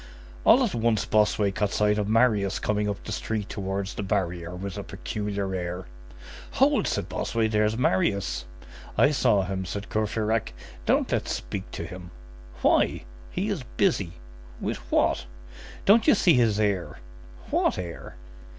All at once, Bossuet caught sight of Marius coming up the street towards the barrier with a peculiar air. "Hold!" said Bossuet. "There's Marius." "I saw him," said Courfeyrac. "Don't let's speak to him." "Why?" "He is busy." "With what?" "Don't you see his air?" "What air?"